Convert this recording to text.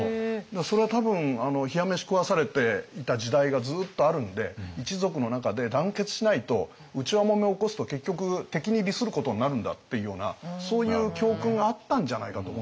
それは多分冷や飯食わされていた時代がずっとあるんで一族の中で団結しないと内輪もめ起こすと結局敵に利することになるんだっていうようなそういう教訓があったんじゃないかと思うんです。